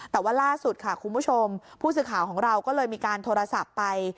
แต่ว่าล่าสุดค่ะคุณผู้ชมผู้สื่อข่าวของเราก็เลยมีการโทรศัพท์ไป